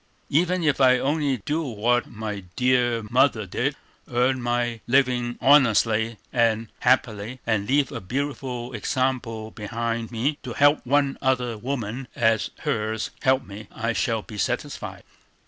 Even if I only do what my dear mother did, earn my living honestly and happily, and leave a beautiful example behind me, to help one other woman as hers helps me, I shall be satisfied."